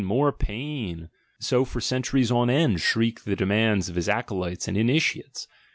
More pain!" So for centuries on end shrieked the demand of his acolytes and initiates.